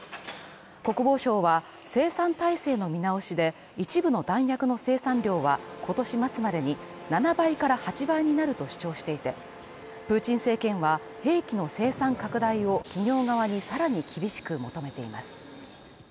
国防省は生産体制の見直しで、一部の弾薬の生産量は今年末までに７倍から８倍になると主張していて、プーチン政権は兵器の生産拡大を企業側にさらに厳しく求めています。